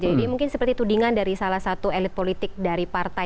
jadi mungkin seperti tudingan dari salah satu elit politik dari partai oposisi